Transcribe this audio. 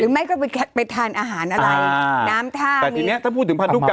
ไม่ก็ไปทานอาหารอะไรน้ำท่าแต่ทีเนี้ยถ้าพูดถึงพันธุกรรม